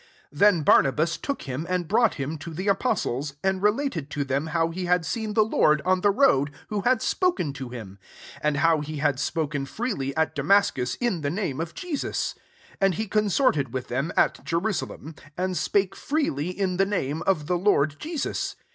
27 Then Barnabas took him and brought Mm to the apostles ; and relat ed to them how he had seen the Lord on the road, who had spoken to him ; and how he had spoken freely at Damas cus in the name of Jesus. 28 And he consorted with them at Jerusalem ; 29 [and] spake freely in the name of the Lord Jesus.